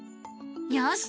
よし！